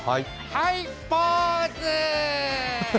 はい、ポーズ！